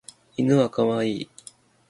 犬は可愛い。